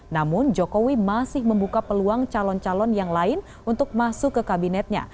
namun jokowi masih membuka peluang calon calon yang lain untuk masuk ke kabinetnya